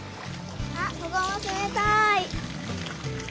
あっここもつめたい。